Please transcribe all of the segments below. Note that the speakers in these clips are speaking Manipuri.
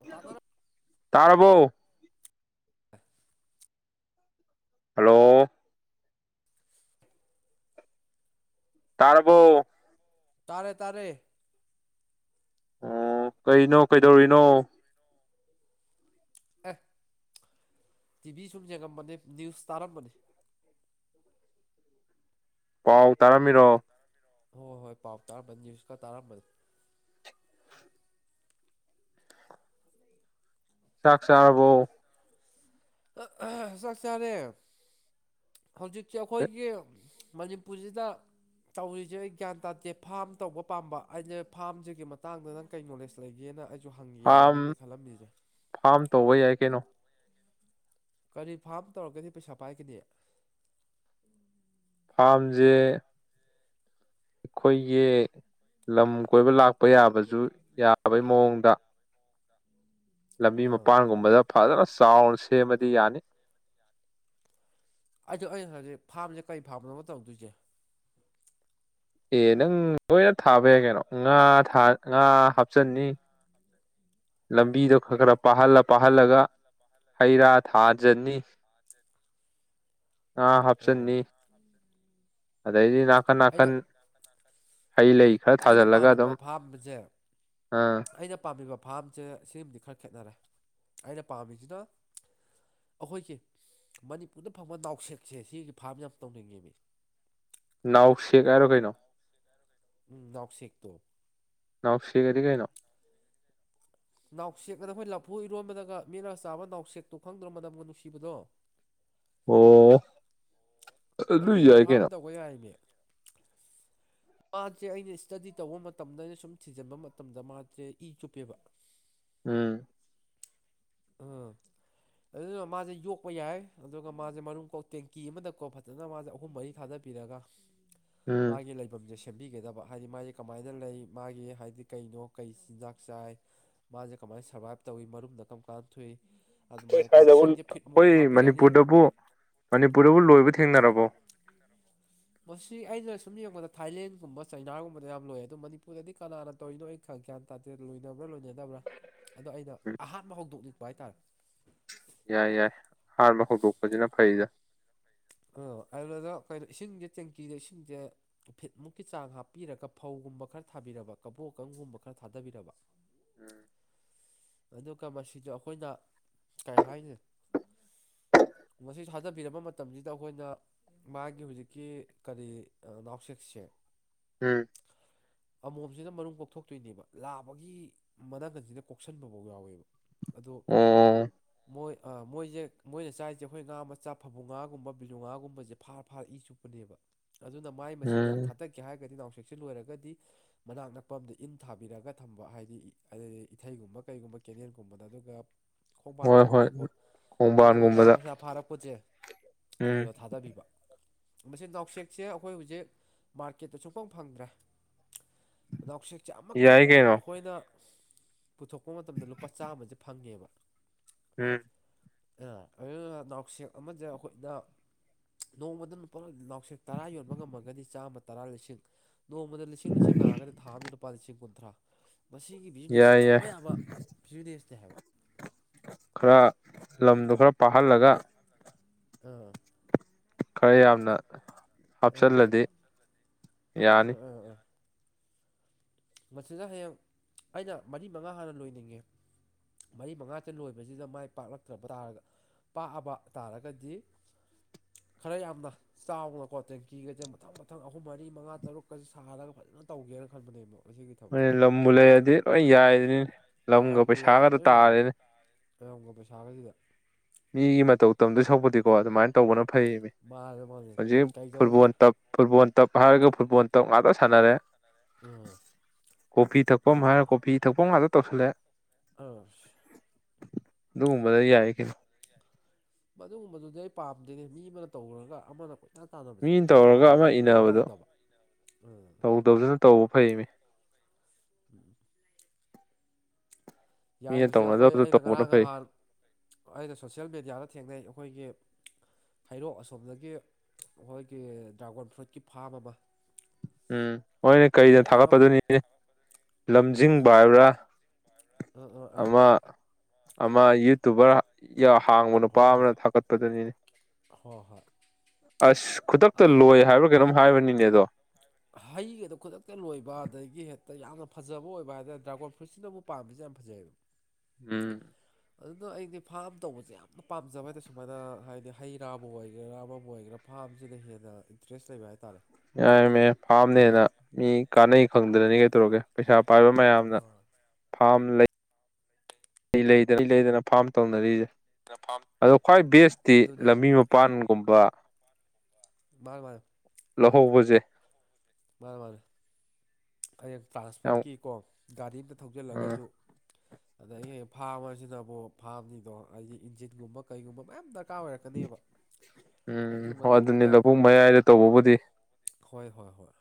ꯑꯣꯇꯥꯟꯅꯔꯣ ꯇꯥꯔꯕꯣ ꯍꯥꯜꯂꯣ ꯇꯥꯔꯕꯣ ꯇꯥꯔꯦ ꯇꯥꯔꯦ ꯑꯣ ꯀꯩꯅꯣ ꯀꯩꯗꯧꯔꯤꯅꯣ ꯑꯦ ꯇꯤꯚꯤ ꯁꯨꯝ ꯌꯦꯡꯉꯝꯕꯅꯤ ꯅ꯭ꯌꯨꯁ ꯇꯥꯔꯝꯕꯅꯤ ꯄꯥꯎ ꯇꯥꯔꯝꯃꯤꯔꯣ ꯍꯣꯏ ꯍꯣꯏ ꯄꯥꯎ ꯇꯥꯔꯝꯕꯅꯤ ꯅꯤꯌꯨꯁꯀ ꯇꯥꯔꯝꯕꯅꯤ ꯆꯥꯛ ꯆꯥꯔꯕꯣ ꯑꯍꯥ ꯆꯥꯛ ꯆꯥꯔꯦ꯫ ꯍꯧꯖꯤꯛꯁꯦ ꯑꯩꯈꯣꯏꯒꯤ ꯃꯅꯤꯄꯨꯔꯁꯤꯗ ꯇꯧꯔꯤꯁꯦ ꯑꯩ ꯒ꯭ꯌꯥꯟ ꯇꯥꯗꯦ ꯐꯥꯝ ꯇꯧꯕ ꯄꯥꯝꯕ ꯑꯩꯅ ꯐꯥꯝꯁꯤꯒꯤ ꯃꯇꯥꯡꯗ ꯅꯪ ꯀꯩ ꯅꯣꯂꯦꯖ ꯂꯩꯒꯦꯅ ꯑꯗꯨ ꯐꯥꯝ ꯍꯪꯒꯦꯅꯅꯤꯅꯦ ꯈꯜꯂꯝꯃꯤꯁꯦ ꯐꯥꯝ ꯇꯧꯕ ꯌꯥꯏ ꯀꯩꯅꯣ ꯀꯔꯤ ꯐꯥꯝ ꯇꯧꯔꯒꯗꯤ ꯄꯩꯁꯥ ꯄꯥꯏꯒꯅꯤ ꯐꯥꯝꯁꯦ ꯑꯩꯈꯣꯏꯒꯤ ꯂꯝ ꯀꯣꯏꯕ ꯂꯥꯛꯄ ꯌꯥꯕꯁꯨ ꯌꯥꯕꯩ ꯃꯑꯣꯡꯗ ꯂꯝꯕꯤ ꯑꯥ ꯃꯄꯥꯟꯒꯨꯝꯕꯗ ꯐꯖꯅ ꯆꯥꯎꯅ ꯁꯦꯝꯃꯗꯤ ꯌꯥꯅꯤ ꯑꯩꯗꯣ ꯑꯩ ꯍꯧꯖꯤꯛ ꯐꯥꯝꯖꯦ ꯀꯩ ꯐꯥꯝꯅꯣꯕ ꯇꯧꯗꯣꯏꯖꯦ ꯑꯦ ꯅꯪ ꯂꯣꯏꯅ ꯊꯥꯕ ꯌꯥꯏ ꯀꯩꯅꯣ ꯉꯥ ꯊꯥ ꯉꯥ ꯍꯥꯞꯆꯟꯅꯤ ꯂꯝꯕꯤꯗꯣ ꯈꯔ ꯈꯔ ꯄꯥꯍꯜꯂ ꯄꯥꯍꯜꯂꯒ ꯍꯩꯔꯥ ꯊꯥꯖꯟꯅꯤ [inaudible] ꯉꯥ ꯑꯣ ꯍꯥꯞꯆꯟꯅꯤ ꯑꯗꯩꯗꯤ ꯅꯥꯀꯟ ꯑꯩꯅ ꯅꯥꯀꯟ ꯍꯩ ꯂꯩ ꯈꯔ ꯑꯩꯅ ꯊꯥꯖꯤꯜꯂꯒ ꯄꯥꯝꯃꯤꯕ ꯑꯗꯨꯝ ꯐꯥꯝꯁꯦ ꯑ ꯑꯩꯅ ꯄꯥꯝꯃꯤꯕ ꯐꯥꯝꯁꯦ ꯁꯤꯃꯗꯤ ꯈꯔ ꯈꯦꯠꯅꯔꯦ ꯑꯩꯅ ꯄꯥꯝꯃꯤꯖꯤꯅ ꯑꯩꯈꯣꯏꯒꯤ ꯃꯅꯤꯄꯨꯔꯗ ꯐꯪꯕ ꯅꯥꯎꯁꯦꯛꯁꯦ ꯁꯤꯒꯤ ꯐꯥꯝ ꯌꯥꯝ ꯇꯧꯅꯤꯡꯉꯤꯃꯦ ꯅꯥꯎꯁꯦꯛ ꯍꯥꯏꯔꯣ ꯀꯩꯅꯣ ꯎꯝ ꯅꯥꯎꯁꯦꯛ ꯇꯣ ꯅꯥꯎꯁꯦꯛ ꯑꯗꯤ ꯀꯩꯅꯣ ꯅꯥꯎꯁꯦꯛ ꯑꯅ ꯑꯩꯈꯣꯏ ꯂꯐꯨ ꯏꯔꯣꯟꯕꯗꯒ ꯃꯤꯠꯂꯒ ꯆꯥꯕ ꯅꯥꯎꯁꯦꯛꯇꯣ ꯈꯪꯗ꯭ꯔꯣ ꯃꯅꯝꯒ ꯅꯨꯡꯁꯤꯕꯗꯣ ꯑꯣ ꯑꯗꯨ ꯑꯗꯨꯗꯣ ꯌꯥꯏ ꯐꯥꯝ ꯀꯩꯅꯣ ꯇꯧꯕ ꯌꯥꯏꯌꯦꯃꯤ [inaudible] ꯃꯥꯁꯦ ꯑꯩꯅ ꯏꯁꯇꯗꯤ ꯇꯧꯕ ꯃꯇꯝꯗ ꯑꯩꯅ ꯁꯨꯝ ꯊꯤꯖꯤꯟꯕ ꯃꯇꯝꯗ ꯃꯥꯁꯦ ꯏ ꯆꯨꯞꯄꯦꯕ ꯎꯝ ꯑ ꯑꯗꯨꯗꯣ ꯃꯥꯁꯦ ꯌꯣꯛꯄ ꯌꯥꯏ ꯑꯗꯨꯒ ꯃꯥꯁꯦ ꯃꯔꯨꯝ ꯀꯣꯛ ꯇꯦꯡꯀꯤ ꯑꯃꯗ ꯀꯣ ꯐꯖꯅ ꯃꯥꯁꯦ ꯑꯍꯨꯝ ꯃꯔꯤ ꯊꯥꯗꯕꯤꯔꯒ [inaudible] ꯃꯥꯒꯤ ꯂꯩꯐꯝꯁꯦ ꯁꯦ ꯁꯦꯝꯕꯤꯒꯗꯕ ꯍꯥꯏꯗꯤ ꯃꯥꯁꯦ ꯀꯃꯥꯏꯅ ꯂꯩ ꯃꯥꯒꯤ ꯍꯥꯏꯗꯤ ꯀꯩꯅꯣ ꯀꯩ ꯆꯤꯟꯖꯥꯛ ꯆꯥꯏ ꯃꯥꯁꯦ ꯀꯃꯥꯏꯅ ꯁꯔꯕꯥꯥꯏꯞ ꯇꯧꯏ ꯃꯔꯨꯝꯅ ꯀꯔꯝ ꯀꯥꯟ ꯊꯣꯛꯏ ꯈꯣꯏ ꯑꯗꯨꯃꯥꯏꯅꯀꯣ ꯁ꯭ꯋꯥꯏꯗꯕꯨ ꯏꯁꯤꯡꯁꯦ ꯐꯤꯠꯃꯨꯛ ꯑꯩꯈꯣꯏ ꯍꯥꯞꯄꯤꯔꯅꯤ ꯃꯅꯤꯄꯨꯔꯗꯕꯨ ꯃꯅꯤꯄꯨꯔꯗꯕꯨ ꯂꯣꯏꯕ ꯊꯦꯡꯅꯔꯕꯣ ꯃꯁꯤ ꯑꯩꯅ ꯁꯨꯝ ꯌꯦꯡꯕꯗ ꯊꯥꯏꯂꯦꯟꯒꯨꯝꯕ ꯆꯩꯅꯥꯒꯨꯝꯕꯗ ꯌꯥꯝ ꯂꯣꯏ ꯑꯗꯨ ꯃꯅꯤꯄꯨꯔꯗꯗꯤ ꯀꯅꯥꯅ ꯇꯧꯔꯤꯅꯣ ꯑꯩ ꯈꯪ ꯒ꯭ꯌꯥꯟ ꯇꯥꯗꯦ ꯂꯣꯏꯅꯕ꯭ꯔꯥ ꯂꯣꯏꯅꯅꯕ꯭ꯔꯥ ꯑꯗꯣ ꯑꯩꯅ ꯎꯝ ꯑꯍꯥꯟꯕ ꯍꯧꯗꯣꯛꯅꯤꯡꯕ ꯍꯥꯏꯇꯥꯔꯦ ꯌꯥꯏ ꯌꯥꯏ ꯑꯍꯥꯟꯕ ꯍꯧꯗꯣꯛꯄꯖꯤꯅ ꯐꯩꯗ ꯑꯣ ꯑꯗꯨꯗ ꯀꯩꯅꯣ ꯏꯁꯤꯡꯁꯦ ꯇꯦꯡꯀꯤꯗ ꯏꯁꯤꯡꯁꯦ ꯐꯤꯠꯃꯨꯛꯀꯤ ꯆꯥꯡ ꯍꯥꯞꯄꯤꯔꯒ ꯐꯧꯒꯨꯝꯕ ꯈꯔ ꯊꯥꯕꯤꯔꯕ ꯀꯕꯣ ꯀꯪꯒꯨꯝꯕ ꯈꯔ ꯊꯥꯗꯕꯤꯔꯕ ꯎꯝ ꯑꯗꯨꯒ ꯃꯁꯤꯗ ꯑꯩꯈꯣꯏꯅ ꯀꯩ ꯍꯥꯏꯅꯤ ꯃꯁꯤ ꯊꯥꯗꯕꯤꯔꯕ ꯃꯇꯝꯖꯤꯗ ꯑꯩꯈꯣꯏꯅ ꯃꯥꯒꯤ ꯍꯧꯖꯤꯛꯀꯤ ꯀꯔꯤ ꯅꯥꯎꯁꯦꯛꯁꯦ ꯎꯝ ꯑꯃꯣꯝꯁꯤꯅ ꯃꯔꯨꯝ ꯀꯣꯛꯊꯣꯛꯇꯨꯏꯅꯦꯕ ꯂꯥꯕꯒꯤ ꯃꯅꯒꯟꯁꯤꯅ ꯀꯣꯛ ꯁꯟꯕꯐꯧ ꯌꯥꯎꯋꯦꯕ ꯑꯗꯣ ꯑꯣ ꯃꯣꯏ ꯃꯣꯏꯁꯦ ꯃꯣꯏꯅ ꯆꯥꯏꯔꯤꯁꯦ ꯑꯩꯈꯣꯏ ꯉꯥ ꯃꯆꯥ ꯐꯕꯨꯡ ꯉꯥꯒꯨꯝꯕ ꯕꯤꯂꯨꯉꯥꯒꯨꯝꯕꯁꯦ ꯐꯥꯔ ꯐꯥꯔ ꯆꯨꯞ ꯄꯅꯦꯕ ꯑꯗꯨꯅ ꯃꯥꯏ ꯃꯆꯤꯟꯖꯥꯛ ꯎꯝ ꯊꯥꯗ ꯀꯦ ꯍꯥꯏꯔꯒꯗꯤ ꯅꯥꯎꯁꯦꯛꯁꯦ ꯂꯣꯏꯔꯒꯗꯤ ꯃꯅꯥꯛ ꯅꯛꯄ ꯑꯝꯗ ꯏꯟ ꯊꯥꯕꯤꯔꯒ ꯊꯝꯕ ꯍꯥꯏꯗꯤ ꯑꯩ ꯏꯊꯩꯒꯨꯝꯕ ꯀꯩꯒꯨꯝꯕ ꯀꯦꯅꯦꯜꯒꯨꯝꯕꯗ ꯑꯗꯨꯒ ꯍꯣꯏ ꯍꯣꯏ ꯈꯣꯡꯕꯥꯟꯒꯨꯝꯕꯗꯀꯣ ꯑꯗꯣ ꯉꯥ ꯈꯣꯡꯕꯥꯟꯒꯨꯝꯕꯗ ꯃꯆꯥ ꯐꯥꯔꯛꯄꯖꯦ ꯎꯝ ꯑꯗꯨꯗ ꯊꯥꯗꯕꯤꯕ ꯃꯁꯤ ꯅꯥꯎꯁꯦꯛꯁꯦ ꯑꯩꯈꯣꯏ ꯍꯧꯖꯤꯛ ꯃꯥꯔꯀꯦꯠꯇ ꯁꯨꯛꯐꯪ ꯐꯪꯗ꯭ꯔꯦ ꯅꯥꯎꯁꯦꯛꯁꯦ ꯑꯃꯈꯛ ꯌꯥꯏ ꯀꯩꯅꯣ ꯑꯩꯈꯣꯏꯅ ꯄꯨꯊꯣꯛꯄ ꯃꯇꯝꯗ ꯂꯨꯄꯥ ꯆꯥꯃꯁꯦ ꯐꯪꯉꯦꯕ ꯎꯝ ꯑ ꯑꯗꯨꯅ ꯅꯥꯎꯁꯦꯛ ꯑꯃꯖꯦ ꯑꯈꯣꯏꯠꯅ ꯅꯣꯡꯃꯗ ꯅꯨꯄꯥ ꯅꯥꯎꯁꯦꯛ ꯇꯔꯥ ꯌꯣꯟꯕ ꯉꯝꯃꯒꯗꯤ ꯆꯥꯝꯃ ꯇꯔꯥ ꯂꯤꯁꯤꯡ ꯅꯣꯡꯃꯗ ꯂꯤꯁꯤꯡ ꯂꯤꯁꯤꯡ ꯂꯥꯛꯑꯒꯗꯤ ꯊꯥ ꯑꯃꯗ ꯂꯨꯄꯥ ꯂꯤꯁꯤꯡ ꯀꯨꯟꯊ꯭ꯔꯥ ꯃꯁꯤꯒꯤ ꯕꯤꯖꯤꯅꯦꯁꯁ ꯌꯥꯏ ꯌꯥꯏ ꯀ ꯐꯤꯖꯤꯅꯦꯁꯅꯦ ꯍꯥꯏꯕ ꯈꯔ ꯂꯝꯗꯣ ꯈꯔ ꯄꯥꯍꯜꯂꯒ ꯑꯥ ꯈꯔ ꯌꯥꯝꯅ ꯑꯥ ꯍꯥꯞꯆꯜꯂꯗꯤ ꯌꯥꯅꯤ꯫ ꯑꯥ ꯑꯥ ꯑꯥ ꯃꯁꯤꯗ ꯍꯌꯦꯡ ꯑꯩꯅ ꯃꯔꯤ ꯃꯉꯥ ꯍꯥꯟꯅ ꯂꯣꯏꯅꯤꯡꯉꯦ꯫ ꯃꯔꯤ ꯃꯉꯥꯥꯆ ꯂꯣꯏꯕꯖꯤꯗ ꯃꯥꯏ ꯄꯥꯛꯂꯛꯇ꯭ꯔꯕ ꯇꯥꯔꯒ ꯄꯥꯑꯕ ꯇꯥꯔꯒꯗꯤ ꯈꯔ ꯌꯥꯝꯅ ꯆꯥꯎꯅꯀꯣ ꯇꯦꯡꯀꯤꯒꯖꯦ ꯃꯊꯪ ꯃꯊꯪ ꯑꯍꯨꯝ ꯃꯔꯤ ꯃꯉꯥ ꯇꯔꯨꯛꯀꯖꯤ ꯁꯥꯍꯜꯂꯒ ꯐꯖꯅ ꯇꯧꯒꯦꯅ ꯈꯟꯕꯅꯦꯃꯣ ꯍꯣꯏꯌꯦ ꯂꯝꯕꯨ ꯂꯩꯌꯗꯤ ꯂꯣꯏ ꯌꯥꯏꯗꯨꯅꯤꯅꯦ ꯂꯝꯒ ꯄꯩꯁꯥꯒꯗ ꯇꯥꯔꯦꯅꯦ꯫ ꯂ꯭ꯝꯒ ꯄꯩꯁꯥꯒꯖꯤꯗ ꯃꯤꯒꯤ ꯃꯇꯧ ꯇꯝꯗꯣꯏ ꯁꯛꯄꯨꯗꯤꯀꯣ ꯑꯗꯨꯃꯥꯏꯟ ꯇꯧꯕꯅ ꯐꯩꯌꯦꯃꯦ ꯃꯥꯅꯦ ꯃꯥꯅꯦ ꯍꯧꯖꯤꯛ ꯀꯩꯗꯧꯅꯤ ꯐꯨꯠꯕꯣꯟ ꯇꯞ ꯐꯨꯠꯕꯣꯟ ꯇꯞ ꯍꯥꯏꯔꯒ ꯐꯨꯠꯕꯣꯟ ꯇꯞ ꯉꯥꯛꯇ ꯁꯥꯟꯅꯔꯦ꯫ ꯎꯝ ꯀꯣꯐꯤ ꯊꯛꯐꯝ ꯁꯨꯝ ꯍꯥꯏꯔ ꯀꯣꯐꯤ ꯊꯛꯄꯝ ꯉꯥꯇ ꯇꯧꯁꯤꯜꯂꯦ꯫ ꯑꯁ ꯑꯗꯃꯨꯗ ꯌꯥꯏ ꯀꯩꯅꯣ ꯃꯗꯨꯒꯨꯝꯕꯗꯨꯗꯤ ꯑꯩ ꯄꯥꯝꯗꯦꯅꯦ ꯃꯤ ꯑꯃꯅ ꯇꯧꯔꯒ ꯑꯃꯅꯥ ꯅ ꯇꯥꯗꯕꯁꯦ ꯃꯤꯅ ꯑꯩꯅ ꯇꯧꯔꯒ ꯑꯃ ꯄꯥꯝꯕꯁꯤꯅ ꯃꯤꯑ ꯏꯟꯅꯕꯗꯣ ꯇꯧꯗꯕ꯫ ꯎꯝ ꯇꯧꯗꯕꯗꯨꯅ ꯇꯧꯕ ꯐꯩꯌꯦꯃꯦ꯫ ꯎꯝ ꯌꯥꯏ ꯃꯤꯅ ꯍꯨꯖꯤ ꯑꯩꯈꯣꯏ ꯇꯧꯅꯗꯕꯗꯣ ꯑꯩꯅ ꯇꯧꯕꯅ ꯉꯔꯥꯡ ꯐꯩ ꯉꯍꯥꯜ ꯑꯩꯅ ꯁꯣꯁꯦꯜ ꯃꯦꯗꯤꯌꯥꯗ ꯊꯦꯡꯅꯩ ꯑꯈꯣꯏꯒꯤ ꯍꯩꯔꯣꯛ ꯑꯁꯣꯝꯗꯒꯤ ꯑꯈꯣꯏꯒꯤ ꯗ꯭ꯔꯥꯒꯣꯟ ꯐ꯭ꯔꯨꯠꯀꯤ ꯐꯥꯝ ꯑꯃ ꯎꯝ ꯍꯣꯏꯌꯦ ꯀꯩꯗ ꯌꯥꯝꯅ ꯊꯥꯒꯠꯄꯗꯨꯅꯤ ꯑꯦ ꯂꯝꯖꯤꯡꯕ ꯍꯥꯏꯕ꯭ꯔꯥ ꯑꯥ ꯑꯥ ꯑꯥ ꯑꯃ ꯑꯃ ꯌꯨꯇꯨꯕꯔ ꯌ ꯍꯥꯡꯕ ꯅꯨꯄꯥ ꯑꯃꯅ ꯊꯥꯒꯠꯄꯗꯨꯅꯤꯅꯦ꯫ ꯍꯣ ꯍꯣꯏ ꯑꯁ ꯈꯨꯗꯛꯇ ꯑꯗꯨ ꯂꯣꯏ ꯍꯥꯏꯕ꯭ꯔꯥ ꯀꯩꯅꯣꯝ ꯍꯥꯏꯕꯅꯤꯅꯦ ꯑꯗꯣ ꯍꯩꯒꯗꯣ ꯈꯨꯗꯛꯇ ꯂꯣꯏꯕ ꯑꯗꯒꯤ ꯍꯦꯠꯇ ꯌꯥꯝꯅ ꯐꯖꯕ ꯑꯣꯏꯕ ꯍꯥꯏꯗ꯭ꯔꯠ ꯗ꯭ꯔꯥꯒꯣꯟ ꯐ꯭ꯔꯨꯠꯁꯤꯅꯃꯨ ꯄꯥꯝꯕꯁꯦ ꯌꯥꯝ ꯐꯖꯑꯦꯕ [inaudible] ꯎꯝ ꯑꯗꯨꯅ ꯑꯩꯗꯤ ꯐꯥꯝ ꯇꯧꯕꯖꯦ ꯌꯥꯝꯅ ꯄꯥꯝꯖꯕ ꯍꯥꯏꯗꯦ ꯁꯨꯃꯥꯅ ꯍꯥꯏꯗꯤ ꯍꯩ ꯔꯥꯕꯨ ꯑꯣꯏꯒꯦꯔꯥ ꯑꯃꯕꯨ ꯑꯣꯏꯒꯦꯔꯞ ꯐꯥꯕꯖꯤꯗ ꯍꯦꯟꯅ ꯏꯟꯇ꯭ꯔꯦꯁ ꯂꯩꯕ ꯍꯥꯏꯇꯥꯔꯦ꯫ ꯌꯥꯌꯦꯃꯦꯌ ꯐꯥꯝꯅ ꯍꯦꯟꯅ ꯃꯤ ꯀꯥꯟꯅꯩ ꯈꯪꯗꯅꯅꯤ ꯀꯩꯇꯣꯔꯒꯦ ꯄꯩꯁꯥ ꯄꯥꯏꯕ ꯃꯌꯥꯝꯅ ꯑꯥ ꯐꯥꯝ ꯂꯩ꯫ ꯏꯂꯩꯗ ꯏ ꯂꯩꯗꯅ ꯐꯥꯝ ꯇꯧꯅꯔꯤꯖꯦ ꯑꯗꯣ ꯈ꯭ꯋꯥꯏ ꯕꯦꯁꯇꯤ ꯑꯗꯨꯅꯦ ꯂꯝꯕꯤ ꯃꯞ ꯄꯥꯟꯒꯨꯝꯕ꯫ ꯃꯥꯌ ꯃꯥꯌ ꯂꯧꯍꯧꯕꯖꯦ꯫ ꯃꯥꯅꯦ ꯃꯥꯅꯦ꯫ ꯈꯌꯦꯡ ꯌꯥꯝ ꯇ꯭ꯔꯥꯟꯁꯄꯣꯠꯀꯤꯀꯣ ꯒꯥꯔꯤ ꯑꯝꯗ ꯎꯝ ꯊꯧꯖꯤꯜꯂꯒꯖꯨ ꯑꯗꯑꯦ ꯐꯥꯝꯍꯖꯤꯅꯕꯣ ꯐꯥꯝꯅꯤꯗꯣ ꯑꯥꯏꯗꯤ ꯏꯟꯖꯤꯟꯒꯨꯝꯕ ꯀꯩꯒꯨꯝꯕ ꯃꯌꯥꯝ ꯅꯛ ꯀꯥ ꯑꯣꯏꯔꯛꯀꯅꯦꯕ ꯑꯗꯨ ꯎꯝ ꯍꯣꯏ ꯑꯗꯨꯅꯤ ꯃꯇꯝꯗꯨꯗ ꯂꯧꯕꯨꯛ ꯃꯌꯥꯏꯗ ꯇꯧꯕꯕꯨꯗꯤ ꯍꯣꯏ ꯍꯣ ꯍꯣꯏ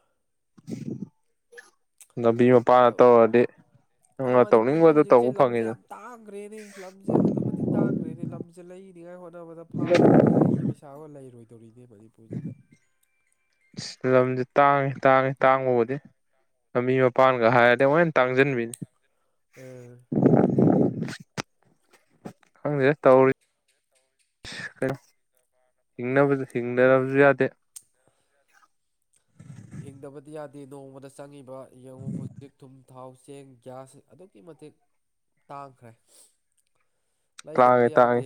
ꯂꯝꯕꯤ ꯃꯄꯥ ꯑꯗꯣ ꯇꯧꯔꯗꯤ꯫ ꯑꯗꯣ ꯅꯪꯅ ꯃꯥꯅꯤꯄꯨꯗ ꯇꯧꯅꯤꯡꯕꯗꯣ ꯍꯧꯖꯤꯛꯁꯦ ꯇꯧꯕ ꯂꯝꯖꯦ ꯐꯪꯉꯤꯗ ꯌꯥꯝ ꯇꯥꯡꯒ꯭ꯔꯦꯅꯦ ꯂꯝꯖꯦ ꯑꯗꯨꯛꯀꯤ ꯃꯇꯤꯛ ꯇꯥꯡꯈ꯭ꯔꯦꯅꯦ ꯂꯝꯖ ꯁꯦ ꯂꯩꯅꯤꯉꯥꯏ ꯍꯣꯠꯅꯕꯗ ꯐꯥꯝ ꯇꯧꯅꯤꯡꯉꯥꯏꯒꯤ ꯄꯩꯁꯥꯒ ꯂꯩꯔꯣꯏꯗꯧꯔꯤꯅꯦ ꯃꯅꯤꯄꯨꯔꯁꯤꯗ꯫ ꯂꯝꯁꯦ ꯇꯥꯡꯉꯤ ꯇꯥꯡꯉꯤ ꯇꯥꯡꯕꯕꯨꯗꯤ꯫ ꯂꯝꯕꯤ ꯃꯄꯥꯟꯒ ꯍꯥꯏꯔꯗꯤ ꯑꯃꯨꯛꯍꯦꯟ ꯇꯥꯡꯁꯤꯟꯕꯤꯅꯤ ꯎꯝ ꯈꯪꯗꯦ ꯇꯧꯔꯤ ꯍꯤꯡꯅꯕ ꯍꯤꯡꯗꯕꯁꯨ ꯌꯥꯗꯦ ꯍꯤꯡꯗꯕꯗꯤ ꯌꯥꯗꯦ ꯅꯣꯡꯃꯗ ꯆꯪꯉꯤꯕ ꯌꯦꯡꯉꯨ ꯍꯧꯖꯤꯛ ꯊꯨꯝ ꯊꯥꯎ ꯆꯦꯡ ꯒ꯭ꯌꯥꯁ ꯑꯗꯨꯛꯀꯤ ꯃꯇꯤꯛ ꯇꯥꯡꯈ꯭ꯔꯦ ꯇꯥꯡꯉꯦ ꯂꯩꯗꯕꯗꯤ ꯇꯥꯡꯉꯦ ꯌꯥꯗꯦ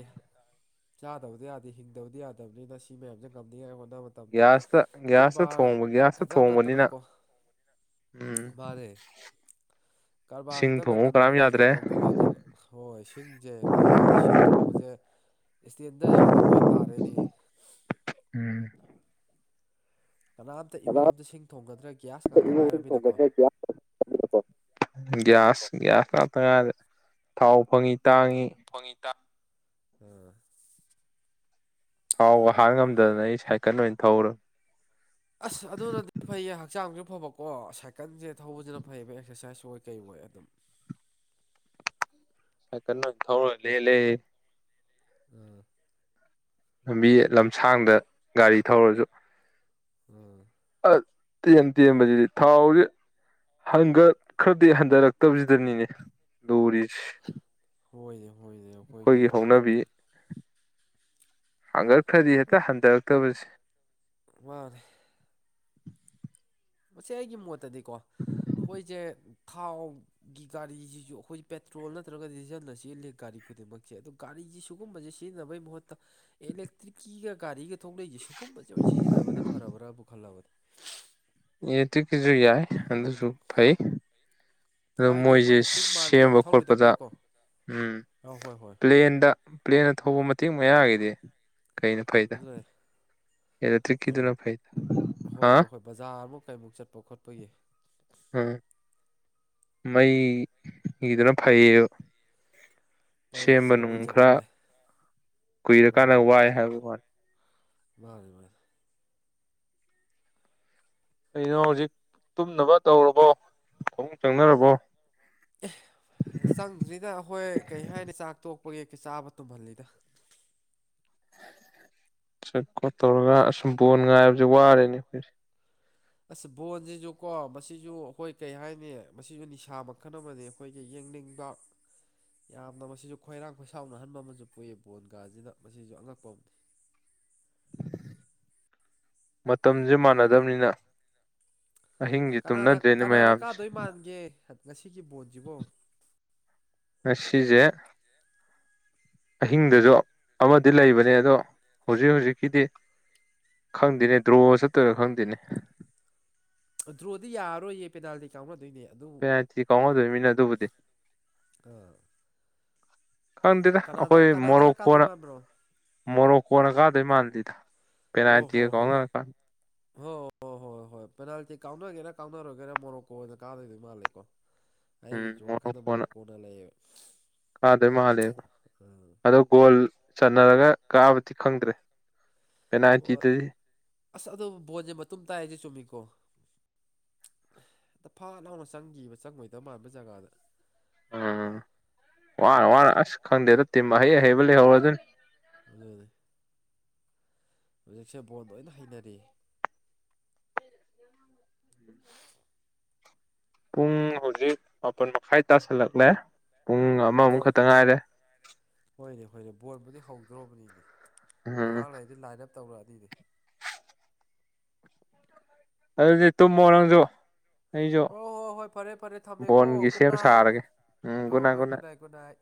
ꯆꯥꯗꯕꯗꯤ ꯌꯥꯗꯦ ꯍꯤꯡꯗꯕꯗꯤ ꯌꯥꯗꯕꯅꯤꯅ ꯁꯤ ꯃꯌꯥꯝꯁꯦ ꯉꯝꯅꯤꯡꯉꯥꯏ ꯍꯣꯠꯅꯕ ꯃꯇꯝꯗ ꯒ꯭ꯌꯥꯁꯇ ꯒ꯭ꯌꯥꯁꯇ ꯀꯔꯕꯥꯔ ꯊꯣꯡꯕ ꯒ꯭ꯌꯥꯁꯇ ꯇꯪ ꯊꯣꯡꯕꯅꯤꯅ ꯅꯠꯇꯅꯀꯣ ꯎꯝ ꯀꯔꯕꯥꯔ ꯁꯤꯡ ꯈꯠꯇ ꯊꯣꯡꯕ ꯅꯠꯇꯅ ꯀꯅꯥꯝ ꯑꯩꯈꯣꯏꯁꯦ ꯌꯥꯗ꯭ꯔꯦ ꯇꯧꯗꯕ ꯌꯥꯗꯦꯕ ꯍꯣꯏ ꯁꯤꯡꯁꯦ ꯍꯧꯖꯤꯛꯀꯥꯟꯗꯤ ꯁꯤꯡ ꯊꯣꯡꯕꯁꯦ ꯏꯁꯇꯦꯟꯗ ꯌꯥꯎꯗꯕ ꯑꯣꯏꯅ ꯇꯥꯔꯦꯅꯦꯍꯦ ꯎꯝ ꯀꯅꯥꯝꯇ ꯏꯃꯨꯡ ꯑꯃꯝꯇ ꯁꯤꯡ ꯊꯣꯡꯒꯗ꯭ꯔꯦ ꯒ꯭ꯌꯥꯁ ꯉꯥꯛꯇ ꯉꯥꯏꯔꯝꯃꯤꯅꯀꯣ ꯒ꯭ꯌꯥꯁ ꯒ꯭ꯌꯥꯁ ꯉꯥꯛꯇ ꯉꯥꯏꯗ ꯊꯥꯎ ꯐꯪꯉꯤ ꯇꯥꯡꯉꯤ ꯐꯅꯤꯇꯥ ꯎꯝ [inaudible] ꯊꯥꯎꯒ ꯍꯥꯟ ꯉꯝꯗꯗꯅ ꯑꯩ ꯁꯥꯏꯀꯜ ꯑꯣꯏꯅ ꯊꯧꯔꯝ ꯑꯁ ꯑꯗꯨꯅꯗꯤ ꯐꯩꯌꯦ ꯍꯛꯆꯥꯡꯁꯨ ꯐꯕꯀꯣ ꯁꯥꯏꯀꯜꯁꯦ ꯊꯧꯕꯁꯤꯅ ꯐꯩꯌꯦꯕ ꯑꯦꯛꯁꯔꯁꯥꯏꯖ ꯑꯣꯏ ꯀꯩ ꯑꯣꯏ ꯑꯗꯨꯝ ꯁꯥꯏꯀꯜ ꯑꯣꯏꯅꯥ ꯊꯧꯔ ꯂꯦꯜꯂꯦ ꯑꯥ ꯂꯝꯕꯤ ꯂꯝꯁꯥꯡꯗ ꯒꯥꯔꯤ ꯊꯧꯔꯁꯨ ꯎꯝ ꯑ ꯇꯦꯟ ꯇꯦꯟꯕꯕꯁꯤꯗꯤ ꯊꯥꯎ ꯖꯤ ꯍꯟꯒꯠ ꯈ꯭ꯔꯗꯤ ꯍꯟꯊꯔꯛꯇꯕꯁꯤꯗꯅꯤꯅꯦ ꯂꯨꯔꯤꯁꯦ ꯍꯣꯏꯌꯦ ꯍꯣꯏꯌꯦ ꯑꯩꯈꯣꯏꯒꯤ ꯍꯧꯅꯕꯤ ꯍꯥꯡꯒꯠꯈ꯭ꯔꯗꯤ ꯍꯦꯛꯇ ꯍꯟꯊꯔꯛꯇꯕꯁꯦ ꯃꯥꯅꯦ ꯃꯁꯤ ꯑꯩꯒꯤ ꯃꯣꯠꯇꯗꯤꯀꯣ ꯑꯩꯈꯣꯏꯁꯦ ꯊꯥꯎ ꯒꯤ ꯒꯥꯔꯤꯁꯤꯁꯨ ꯑꯩꯈꯣꯏ ꯄꯦꯇ꯭ꯔꯣꯜ ꯅꯠꯇ꯭ꯔꯒ ꯗꯤꯖꯜꯅ ꯆꯦꯜꯂꯤ ꯒꯥꯔꯤ ꯈꯨꯗꯤꯡꯃꯛꯁꯦ ꯑꯗꯨ ꯒꯥꯔꯤꯁꯤ ꯁꯤꯒꯨꯝꯕꯁꯤ ꯁꯤꯖꯤꯟꯅꯕꯒꯤ ꯃꯍꯨꯠꯇ ꯑꯦꯂꯦꯛꯇ꯭ꯔꯤꯛꯀꯤꯒ ꯒꯥꯔꯤꯒ ꯊꯣꯛꯂꯩꯁꯦ ꯁꯨꯒꯨꯝꯕꯁꯦꯑꯣꯏꯅ ꯁꯤꯖꯤꯟꯅꯕꯅ ꯐꯔꯕ꯭ꯔꯥꯕꯨ ꯈꯜꯂꯕꯅꯦ ꯌꯦꯂꯦꯛꯇꯤꯛꯀꯤꯁꯨ ꯌꯥꯏ ꯑꯗꯨꯁꯨ ꯐꯩ ꯑꯗꯨ ꯍꯥꯏꯗꯤ ꯃꯣꯏꯁꯦ ꯑꯩꯈꯣꯏꯅ ꯆꯤꯡ ꯃꯥꯟꯅ ꯌꯥꯝ ꯁꯦꯝꯕ ꯈꯣꯠꯄꯗ ꯊꯧꯔꯣꯏꯗꯕꯅꯤꯅꯀꯣ ꯎ ꯑꯥ ꯍꯣꯏ ꯍꯣꯏ ꯄ꯭ꯂꯦꯟꯗ ꯄ꯭ꯂꯦꯟꯅ ꯊꯧꯕ ꯃꯇꯦꯛ ꯃꯌꯥꯒꯤꯗꯤ ꯀꯩꯅꯣ ꯑꯗꯨꯦ [inaudible] ꯍꯣꯏ ꯐꯩꯗ ꯍꯥ ꯍꯣꯏ ꯍꯣꯏ ꯕꯖꯥꯔ ꯑꯃꯨꯛ ꯀꯩꯃꯨꯛ ꯆꯠꯄ ꯈꯣꯠꯄꯒꯤ ꯎꯝ ꯃꯩꯗꯨꯅ ꯐꯩꯌꯦꯕ ꯁꯦꯝꯕ ꯄꯩꯒꯤꯁꯤꯅ ꯅꯨꯡ ꯑꯣꯏꯖꯕ ꯈꯔ ꯑꯃ ꯂꯩ ꯀꯨꯏꯔꯀꯥꯟꯗ ꯎꯝ ꯋꯥꯏ ꯍꯥꯏꯕ ꯋꯥꯅꯤ ꯃꯥꯅꯤ ꯃꯥꯅꯤ ꯀꯩꯗꯣꯏꯅꯣ ꯍꯧꯖꯤꯛ ꯇꯨꯝꯅꯕ ꯇꯧꯔꯕꯣ ꯐꯃꯨꯡ ꯆꯪꯅꯔꯕꯣ ꯑꯦ ꯆꯪꯗ꯭ꯔꯤꯗ ꯑꯩꯈꯣꯏ ꯀꯩ ꯍꯥꯏꯅꯤ ꯆꯥꯛ ꯇꯣꯛꯄꯒꯤ ꯆꯥꯕ ꯇꯨꯝꯍꯜꯂꯤꯗ ꯁꯀꯣ ꯇꯧꯔꯒ ꯑꯁꯨꯝ ꯕꯣꯟ ꯉꯥꯏꯕꯕꯁꯤꯦ ꯋꯥꯔꯦꯅꯦ ꯑꯩꯈꯣꯏꯁꯦ [inaudible] ꯑꯁ ꯕꯣꯟꯁꯤꯁꯨ ꯀꯣ ꯃꯁꯤꯁꯨ ꯑꯩꯈꯣꯏ ꯀꯩ ꯍꯥꯏꯅꯤ ꯃꯁꯤꯁꯨ ꯅꯤꯁꯥ ꯃꯈꯜ ꯑꯃꯅꯦ ꯑꯩꯈꯣꯏꯒꯤ ꯌꯦꯡꯅꯤꯡꯕ ꯌꯥꯝꯅ ꯃꯁꯤꯁꯨ ꯈꯣꯏꯔꯥꯡ ꯈꯣꯏꯁꯥꯎꯅꯍꯟꯕ ꯑꯃꯁꯨ ꯄꯣꯛꯏ ꯕꯣꯟꯒꯥꯁꯤꯅ ꯃꯁꯤꯁꯨ ꯑꯉꯛꯄ ꯑꯝꯅꯤ ꯃꯇꯝꯁꯦ ꯃꯥꯟꯅꯗꯝꯅꯤꯅ ꯀꯅꯥꯅ ꯀꯅꯥꯅ ꯃꯌꯥꯝꯁꯦ ꯀꯥꯗꯣꯏ ꯃꯥꯟꯒꯦ ꯉꯁꯤꯒꯤ ꯕꯣꯟꯁꯤꯕꯣ ꯉꯁꯤꯁꯦ ꯑꯍꯤꯡꯗꯁꯨ ꯑꯃꯗꯤ ꯂꯩꯕꯅꯦ ꯑꯗꯣ ꯍꯧꯖꯤꯛ ꯍꯧꯖꯤꯛꯀꯤꯗꯤ ꯈꯪꯗꯦꯅꯦ ꯗ꯭ꯔꯣ ꯆꯠꯇꯒ ꯈꯪꯗꯦꯅꯦ ꯑꯗꯨ꯭ꯔꯣꯗꯤ ꯌꯥꯔꯣꯏꯌꯦ ꯄꯦꯅꯥꯜꯗꯤ ꯀꯥꯎꯅꯗꯣꯏꯅꯦ ꯑꯗꯨꯕꯨ ꯄꯦꯅꯥꯜꯇꯤ ꯀꯥꯎꯅꯗꯣꯏꯃꯤꯅ ꯑꯗꯨꯕꯨꯗꯤ ꯑꯥ ꯈꯪꯗꯦꯗ ꯀꯅꯥꯗ ꯑꯩꯈꯣꯏ ꯀꯅꯥꯗꯅ ꯃꯣꯔꯣꯛ ꯀꯥꯗꯣꯏ ꯀꯣꯟꯅ ꯃꯥꯟꯕ꯭ꯔꯣ ꯃꯣꯔꯣꯛ ꯀꯣꯟꯅ ꯀꯥꯗꯣꯏ ꯃꯥꯟꯗꯦꯗ ꯑꯣ ꯍꯣ ꯍꯣꯏ ꯍ ꯍꯣ ꯍꯣꯏ ꯑ ꯍꯣꯏ ꯄꯦꯅꯥꯜꯇꯤ ꯀꯥꯎꯅꯒꯦꯔꯥ ꯀꯥꯎꯅꯔꯣꯏꯒꯦꯔꯥ ꯃꯣꯔꯣꯛꯀꯣꯅ ꯀꯥꯗꯣꯏꯗꯤ ꯃꯥꯜꯂꯦꯀꯣ ꯎꯝ ꯑꯩꯒꯤꯁꯨ ꯋꯥꯈꯟꯗ ꯃꯣꯔꯣꯛꯀꯣꯅ ꯃꯔꯣꯔꯣꯛ ꯀꯣꯟꯅ ꯂꯩꯌꯦꯕ ꯀꯥꯗꯣꯏ ꯃꯥꯜꯂꯦꯕ ꯑꯥ ꯑꯗꯣ ꯒꯣꯜ ꯆꯟꯅꯔꯒ ꯀꯥꯕꯗꯤ ꯈꯪꯗ꯭ꯔꯦ ꯍꯣꯏ ꯄꯅꯥꯇꯤꯗꯗꯤ ꯑꯁ ꯑꯗꯨ ꯕꯣꯟꯁꯦ ꯃꯇꯨꯝ ꯇꯥꯏꯁꯦ ꯆꯨꯝꯃꯤꯀꯣ ꯗ ꯐꯥ ꯂꯥꯎꯅ ꯆꯪꯈꯤꯕ ꯆꯪꯉꯣꯏꯗꯕ ꯃꯥꯟꯕ ꯖꯒꯥꯗ ꯎꯝ ꯋꯥꯔ ꯑꯗꯨꯅ ꯋꯥꯔ ꯑꯁ ꯈꯪꯗꯦꯗ ꯇꯤꯝ ꯑꯍꯩ ꯑꯍꯩꯕ ꯂꯩꯍꯧꯔ ꯑꯗꯨꯅꯤ ꯑ ꯑꯗꯨꯦ ꯍꯧꯖꯤꯛꯁꯦ ꯕꯣꯟ ꯂꯣꯏꯅ ꯍꯩꯅꯔꯤ ꯄꯨꯡ ꯍꯧꯖꯤꯛ ꯃꯥꯄꯜ ꯃꯈꯥꯏ ꯇꯥꯁꯜꯂꯛꯂꯦ ꯄꯨꯡ ꯑꯃꯃꯨꯛ ꯍꯣꯏ ꯈꯛꯇ ꯉꯥꯏꯔꯦ ꯍꯣꯏꯅꯦ ꯍꯣꯏꯅꯦ ꯕꯣꯔꯜꯕꯨꯗꯤ ꯍꯧꯗ꯭ꯔꯣꯕꯅꯤꯅꯦ ꯎꯝ ꯉꯥꯏꯍꯥꯛ ꯂꯩꯗꯤ ꯂꯥꯏꯅ ꯇꯧꯔꯛꯑꯗꯤ ꯑꯗꯨꯗꯤ ꯇꯨꯝꯃꯣ ꯅꯪꯖꯨ ꯑꯩꯁꯨ ꯍꯣꯏ ꯍꯣꯏ ꯍꯣꯏ ꯐꯔꯦ ꯐꯔꯦ ꯊꯝꯃꯦꯀꯣ ꯕꯣꯟꯒꯤ ꯁꯦꯝ ꯒꯨꯗ ꯅꯥꯏꯠ ꯁꯥꯔꯒꯦ ꯎꯝ ꯍꯣꯏ ꯒꯨꯅꯥꯏꯠ ꯍꯣꯏ good night good night good night